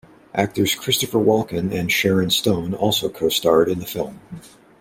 Actors Christopher Walken and Sharon Stone also co-starred in the film.